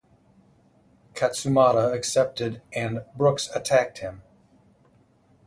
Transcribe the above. Katsumata accepted and Brookes attacked him.